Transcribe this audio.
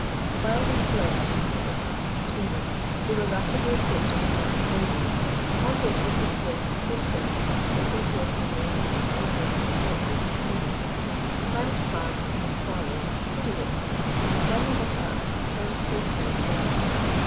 While these polite speeches were passing between them they were rapidly approaching a large billboard, on which was displayed a poster getting forth the name of the now famous detective, Klimo. Simon Carne, leaning forward, studied it, and when they had passed, turned to his friend again.